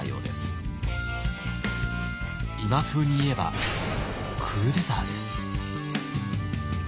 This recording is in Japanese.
今風に言えばクーデターです。